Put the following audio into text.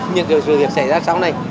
những sự việc xảy ra sau này